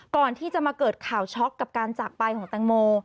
ก่อนที่จะมาเกิดข่าวช็อกกับการจากไปของแตงโม